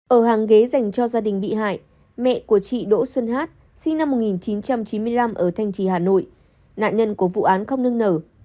ở hàng ghế dành cho gia đình bị hại mẹ của chị đỗ xuân hát sinh năm một nghìn chín trăm chín mươi năm ở thanh trì hà nội nạn nhân của vụ án không nương nở